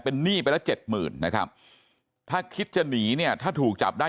เป็นหนี้ไปละเจ็ดหมื่นนะครับถ้าคิดจะหนีเนี่ยถ้าถูกจับได้